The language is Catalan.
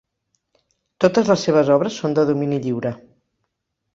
Totes les seves obres són de domini lliure.